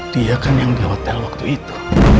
dia kan yang di hotel waktu itu